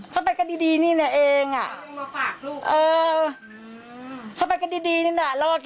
เขาไปก็ดีดีนี่แหละเองอ่ะมาฝากลูกเออเขาไปก็ดีดีนี่แหละ